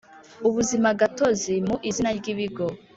ubuzimagatozi mu izina ry Ibigo